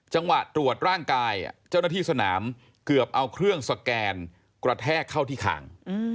จังหวะตรวจร่างกายเจ้าหน้าที่สนามเกือบเอาเครื่องสแกนกระแทกเข้าที่ขาง